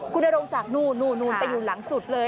คุณนโรงศักดิ์นู่นไปอยู่หลังสุดเลย